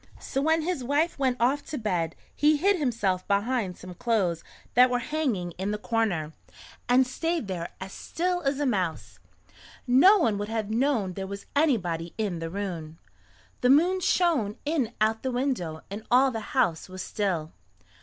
So when his wife went off to bed he hid himself behind some clothes that were hanging in the corner, and stayed there as still as a mouse. No one would have known there was anybody in the room. The moon shone in at the window and all the house was still.